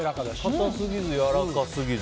硬すぎずやわらかすぎず。